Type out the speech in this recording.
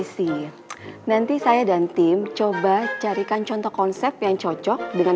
sisi nanti saya dan tim coba carikan contoh konsep yang cocok dengan